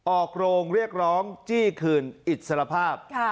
ออกโรงเรียกร้องจี้คืนอิสรภาพ